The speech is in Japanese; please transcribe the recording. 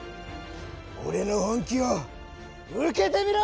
俺の本気を受けてみろ！